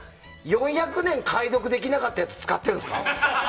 ４００年解読できなかったやつ使っているんですか？